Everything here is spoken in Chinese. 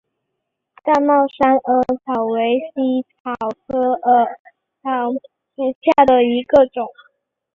大帽山耳草为茜草科耳草属下的一个种。